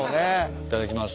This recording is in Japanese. いただきます。